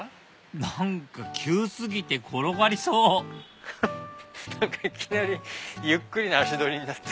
何か急過ぎて転がりそういきなりゆっくりな足取りになって。